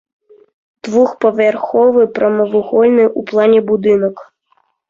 Двухпавярховы прамавугольны ў плане будынак.